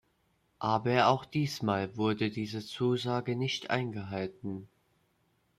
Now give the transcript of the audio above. Aber auch diesmal wurde diese Zusage nicht eingehalten.